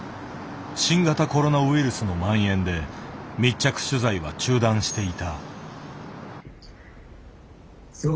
新型コロナウイルスのまん延で密着取材は中断していた。